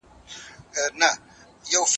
که لږه سمه لار پیدا کړو، ناوخته نده.